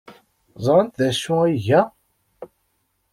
Ẓrant d acu ay iga?